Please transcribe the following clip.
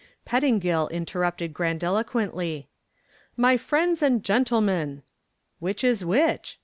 Pettingill interrupted grandiloquently. "My friends and gentlemen!" "Which is which?"